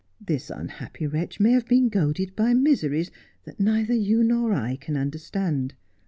This unhappy wretch may have been goaded by miseries that neither you nor I can understand.